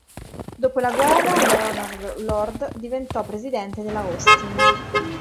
Dopo la guerra, Leonard Lord diventò presidente della Austin.